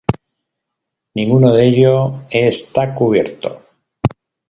Ninguno de ello está cubierto.